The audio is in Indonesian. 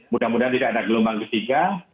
mudah mudahan tidak ada gelombang ketiga